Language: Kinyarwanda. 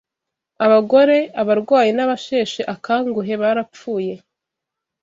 abagore, abarwayi n’abasheshe akanguhe barapfuye